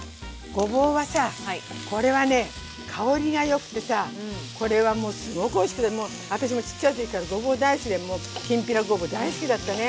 ごぼうはさこれはね香りがよくてさこれはもうすごくおいしくてもう私もちっちゃい時からごぼう大好きでもうきんぴらごぼう大好きだったね。